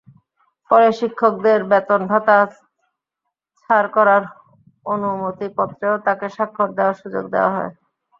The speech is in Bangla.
ফলে শিক্ষকদের বেতন-ভাতা ছাড় করার অনুমতিপত্রেও তাঁকে স্বাক্ষর দেওয়ার সুযোগ দেওয়া হয়নি।